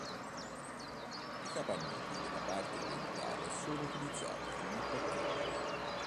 I capannoni della parte orientale sono utilizzati come parcheggio.